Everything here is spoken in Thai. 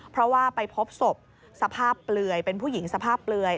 เพราะว่าไปพบศพสภาพเปลือยเป็นผู้หญิงสภาพเปลือย